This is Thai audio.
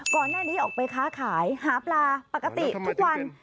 ก่อนหน้านี้ออกไปค้าขายหาปลาปกติทุกวัน